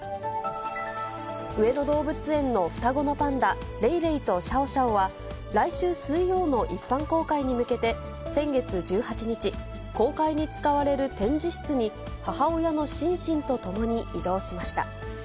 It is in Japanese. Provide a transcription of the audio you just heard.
上野動物園の双子のパンダ、レイレイとシャオシャオは、来週水曜の一般公開に向けて、先月１８日、公開に使われる展示室に母親のシンシンと共に移動しました。